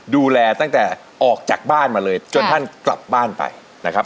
ดูแลตั้งแต่ออกจากบ้านมาเลยจนท่านกลับบ้านไปนะครับ